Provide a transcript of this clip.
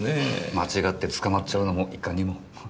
間違って捕まっちゃうのもいかにも。